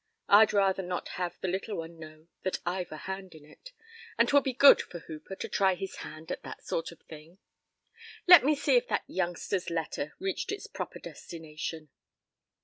I'd rather not have the little one know that I've a hand in it, and 'twill be good for Hooper to try his hand at that sort of thing. Let me see if that youngster's letter reached its proper destination."